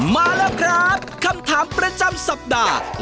มาแล้วครับคำถามประจำสัปดาห์